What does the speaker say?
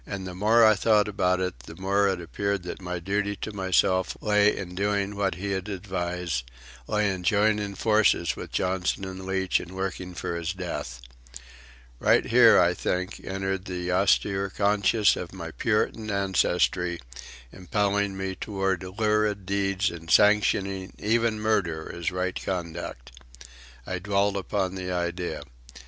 And the more I thought about it the more it appeared that my duty to myself lay in doing what he had advised, lay in joining forces with Johnson and Leach and working for his death. Right here, I think, entered the austere conscience of my Puritan ancestry, impelling me toward lurid deeds and sanctioning even murder as right conduct. I dwelt upon the idea.